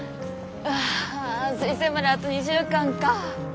うあ推薦まであと２週間か。